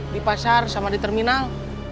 di pasar sama di terminal